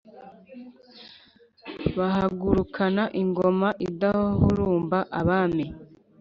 bahagurukana ingoma idahurumba abami,